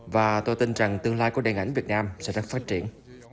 và tôi tin rằng tương lai của điện ảnh việt nam sẽ rất phát triển